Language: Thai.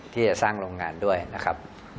ที่จะสร้างโรงงานด้วยนะครับ